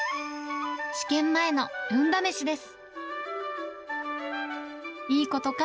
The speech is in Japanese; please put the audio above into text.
試験前の運試しです。